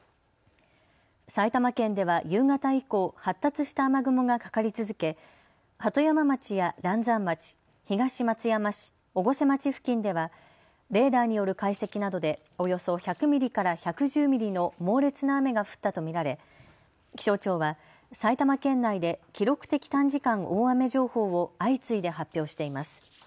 埼玉県では夕方以降、発達した雨雲がかかり続け鳩山町や嵐山町、東松山市、越生町付近ではレーダーによる解析などでおよそ１００ミリから１１０ミリの猛烈な雨が降ったと見られ気象庁は埼玉県内で記録的短時間大雨情報を相次いで発表しています。